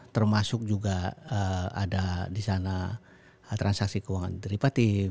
termasuk juga ada disana transaksi keuangan tripatif